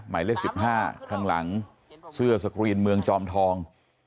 หมายเลข๑๕ข้างหลังเสื้อสกรีนเมืองจอมทอง